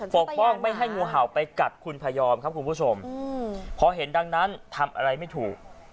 กป้องไม่ให้งูเห่าไปกัดคุณพยอมครับคุณผู้ชมพอเห็นดังนั้นทำอะไรไม่ถูก